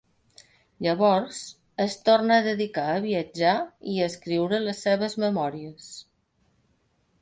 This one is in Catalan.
Llavors es torna a dedicar a viatjar i a escriure les seves memòries.